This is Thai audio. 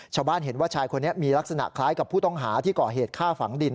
ชาวบ้านเห็นว่าชายคนนี้มีลักษณะคล้ายกับผู้ต้องหาที่ก่อเหตุฆ่าฝังดิน